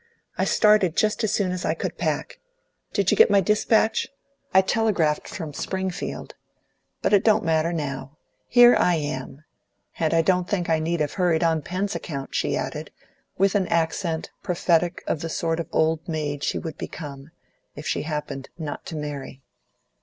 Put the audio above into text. I started just as soon as I could pack. Did you get my despatch? I telegraphed from Springfield. But it don't matter, now. Here I am. And I don't think I need have hurried on Pen's account," she added, with an accent prophetic of the sort of old maid she would become, if she happened not to marry.